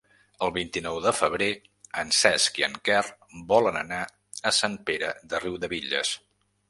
El vint-i-nou de febrer en Cesc i en Quer volen anar a Sant Pere de Riudebitlles.